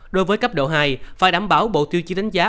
đối với cấp độ hai phải đảm bảo bộ tiêu chí đánh giá